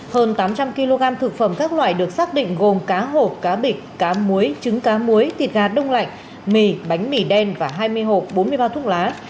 hơn tám trăm linh kg thực phẩm các loại được xác định gồm cá hộp cá bịch cá muối trứng cá muối thịt gà đông lạnh mì bánh mì đen và hai mươi hộp bốn mươi bao thuốc lá